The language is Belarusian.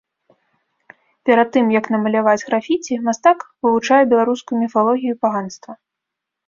Перад тым, як намаляваць графіці, мастак вывучае беларускую міфалогію і паганства.